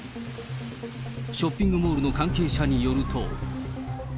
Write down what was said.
ショッピングモールの関係者によると。